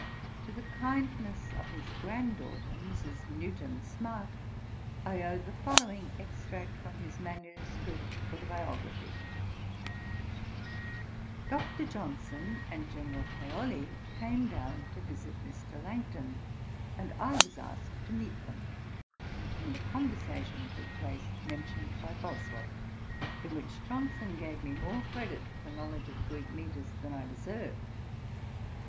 To the kindness of his grand daughter, Mrs. Newton Smart, I owe the following extract from his manuscript Autobiography: 'Dr. Johnson and General Paoli came down to visit Mr. Langton, and I was asked to meet them, when the conversation took place mentioned by Boswell, in which Johnson gave me more credit for knowledge of the Greek metres than I deserved.